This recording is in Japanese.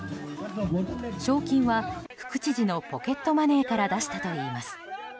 賞金は副知事のポケットマネーから出したといいます。